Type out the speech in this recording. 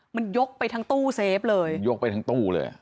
มันยกไปทั้งตู้เซฟเลยยกไปทั้งตู้เลย